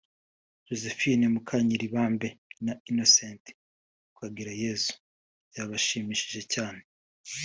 Josephine Mukanyiribambe na Innocent Twagirayesu byabashimishije cyane